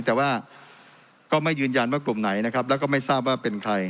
แต่ว่าก็ไม่ยืนยันว่ากลุ่มไหนนะครับแล้วก็ไม่ทราบว่าเป็นใคร